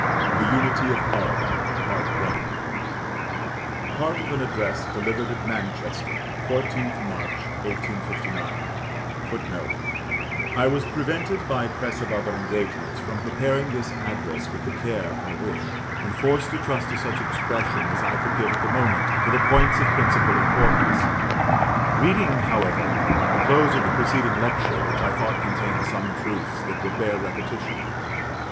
THE UNITY OF ART. Part of an Address delivered at Manchester, 14th March, 1859. [Footnote: I was prevented, by press of other engagements, from preparing this address with the care I wished; and forced to trust to such expression as I could give at the moment to the points of principal importance; reading, however, the close of the preceding lecture, which I thought contained some truths that would bear repetition.